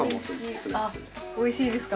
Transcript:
おいしいですか。